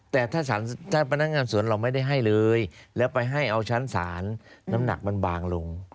แต่ถ้าพนักงานสวนเราไม่ได้ให้เลยแล้วไปให้เอาชั้นศาลน้ำหนักมันบางลง